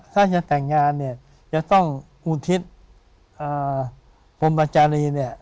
ถ้าจะแต่งงานเนี่ยจะต้องอุทิศพรมจารีเนี่ย